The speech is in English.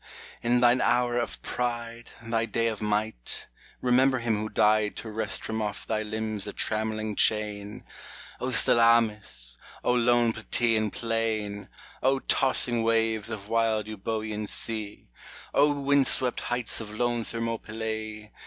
in thine hour of pride, Thy day of might, remember him who died To wrest from off thy limbs the trammelling chain : O Salamis ! O lone Plataean plain ! O tossing waves of wild Eubcean sea ! O wind swept heights of lone Thermopylae